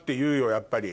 やっぱり。